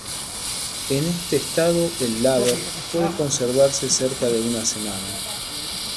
En este estado el "laver" puede conservarse cerca de una semana.